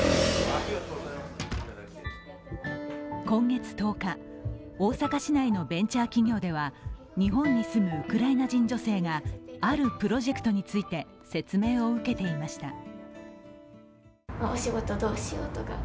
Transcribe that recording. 今月１０日大阪市内のベンチャー企業では日本に住むウクライナ人女性があるプロジェクトについて説明を受けていました。